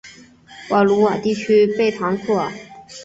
瓦卢瓦地区贝唐库尔。